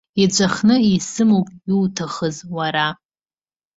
Иҵәахны исымоуп, иуҭахыз уара?!